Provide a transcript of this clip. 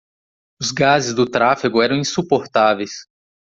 Os gases do tráfego eram insuportáveis.